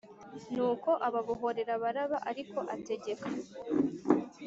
Nuko ababohorera Baraba ariko ategeka